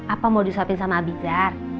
apa mau diswapin sama abikdar